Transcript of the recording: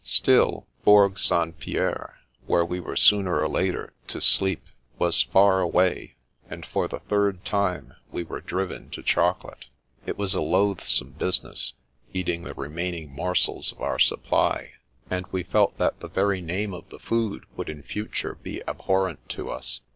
Still Bourg St. Pierre, where we were sooner or later to sleep, was far away, and for the third time we were driven to chocolate. It was a loathsome business eating the remaining morsels of our supply, and we 1 68 The Princess Passes felt that the very name of the food would in future be abhorrent to us.